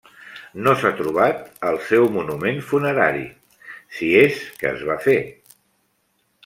No s'ha trobat el seu monument funerari, si és que es va fer.